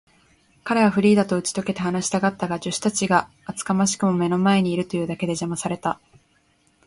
彼はフリーダとうちとけて話したかったが、助手たちが厚かましくも目の前にいるというだけで、じゃまされた。